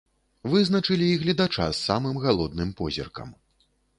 Вызначылі і гледача з самым галодным позіркам.